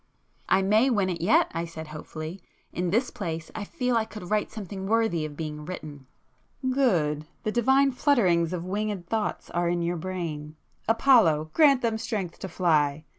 "I may win it yet!" I said hopefully—"In this place, I feel I could write something worthy of being written." "Good! The 'divine flutterings' of winged thoughts are in your brain! Apollo grant them strength to fly!